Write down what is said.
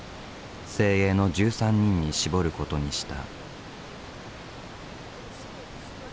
精鋭の１３人に絞ることにした。